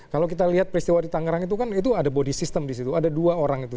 kalau kita lihat peristiwa di tangerang itu kan itu ada body system di situ